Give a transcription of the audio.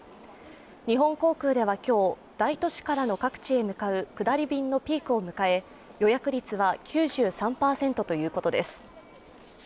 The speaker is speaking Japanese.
日本航空では今日、大都市からの各地へ向かう下り便のピークを迎え予約率は９３％ということです。